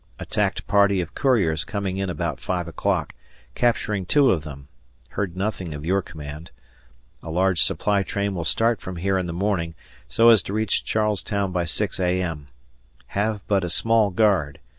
Attacked party of couriers coming in about five o'clock, capturing two of them; heard nothing of your command. A large supply train will start from here in the morning, so as to reach Charles Town by 6 A.M. Have but a small guard.